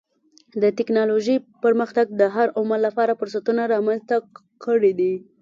د ټکنالوجۍ پرمختګ د هر عمر لپاره فرصتونه رامنځته کړي دي.